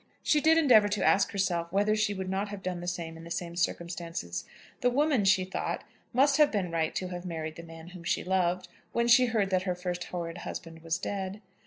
She did endeavour to ask herself whether she would not have done the same in the same circumstances. The woman, she thought, must have been right to have married the man whom she loved, when she heard that that first horrid husband was dead.